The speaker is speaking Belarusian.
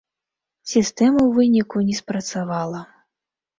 Сістэма ў выніку не спрацавала.